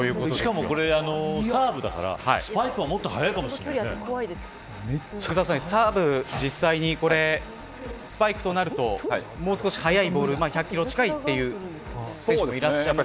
しかも、これサーブだからスパイクはサーブ、実際にスパイクとなるともう少し速いボール１００キロ近いという選手もいらっしゃいますか。